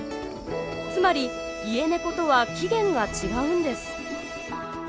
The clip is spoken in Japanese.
つまりイエネコとは起源が違うんです。